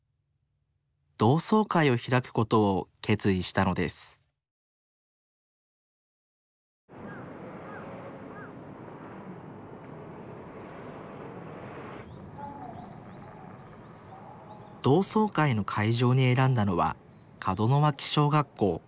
同窓会を開くことを決意したのです同窓会の会場に選んだのは門脇小学校。